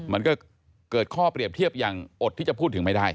มันก็เกิดข้อเปรียบเทียบอย่างอดที่จะพูดถึงไม่ได้